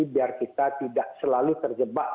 biar kita tidak selalu terjebak